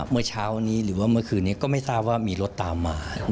เมื่อเช้านี้หรือว่าเมื่อคืนนี้ก็ไม่ทราบว่ามีรถตามมา